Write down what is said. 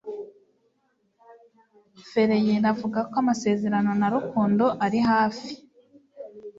Ferreira avuga ko amasezerano na Rukundo ari hafi